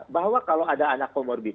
bahwa kalau ada anak komorbid